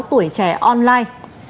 tuổi trẻ online